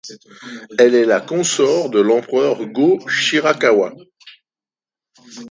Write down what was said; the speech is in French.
Elle est la consort de l'empereur Go-Shirakawa.